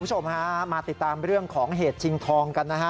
คุณผู้ชมฮะมาติดตามเรื่องของเหตุชิงทองกันนะฮะ